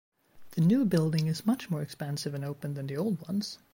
The new building is much more expansive and open than the old ones.